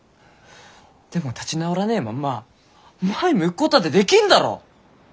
でも立ち直らねえまんま前向くごどだってできんだろ。